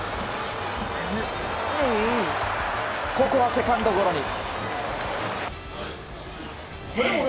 ここはセカンドゴロに。